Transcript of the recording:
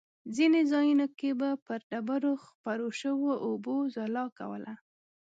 ځینې ځایونو کې به پر ډبرو خپرو شوو اوبو ځلا کوله.